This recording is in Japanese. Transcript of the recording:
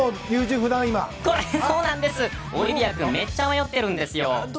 オリビア君めっちゃ迷ってるんですよ。